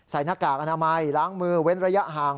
หน้ากากอนามัยล้างมือเว้นระยะห่าง